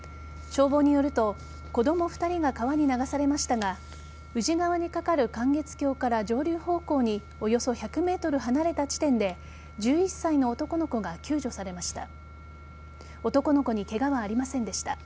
消防によると子供２人が川に流されましたが宇治川にかかる観月橋から上流方向におよそ１００ｍ離れた地点で１１歳の男の子が救助されました。